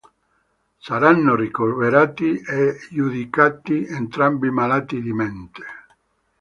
Saranno ricoverati e giudicati entrambi malati di mente.